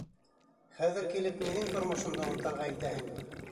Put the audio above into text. Хәҙер килеп минең тормошомдо онтарға итәһеңме?